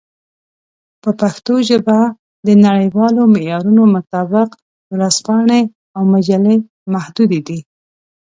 په پښتو ژبه د نړیوالو معیارونو مطابق ورځپاڼې او مجلې محدودې دي.